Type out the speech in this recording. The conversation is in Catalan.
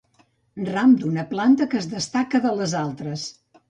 Ram d'una planta que es destaca de les altres.